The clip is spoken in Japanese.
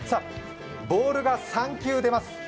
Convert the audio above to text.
ボールが３球出ます。